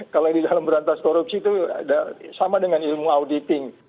kalau di dalam berantas korupsi itu sama dengan ilmu auditing